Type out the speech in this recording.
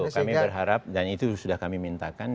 kami berharap dan itu sudah kami mintakan